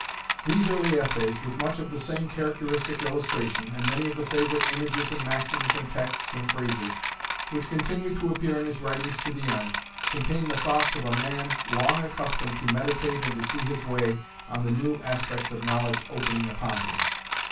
These early essays, with much of the same characteristic illustration, and many of the favourite images and maxims and texts and phrases, which continue to appear in his writings to the end, contain the thoughts of a man long accustomed to meditate and to see his way on the new aspects of knowledge opening upon him.